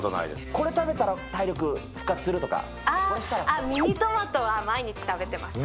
ここれ食べたら体力復活するとミニトマトは毎日食べてます。